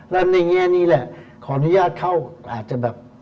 และในแง่นี้แหละขออนุญาตเข้าอาจจะแบบ